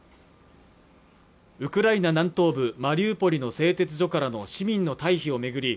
ウクライナ南東部マリウポリの製鉄所からの市民の退避を巡り